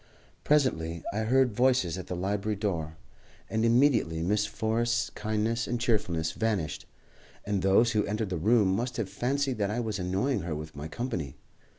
Presently I heard voices at the library door, and immediately Miss Forrest's kindness and cheerfulness vanished, and those who entered the room must have fancied that I was annoying her with my company.